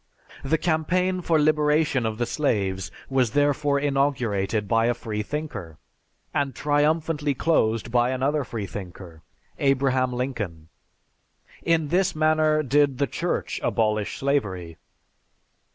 The campaign for liberation of the slaves was therefore inaugurated by a freethinker, and triumphantly closed by another freethinker, Abraham Lincoln. In this manner did the Church abolish slavery.